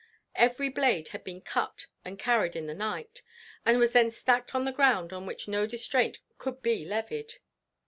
Every blade had been cut and carried in the night, and was then stacked on the ground on which no distraint could be levied.